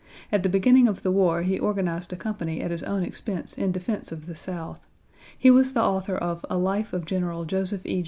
At the beginning of the war he organized a company at his own expense in defense of the South. He was the author of a Life of General Joseph E.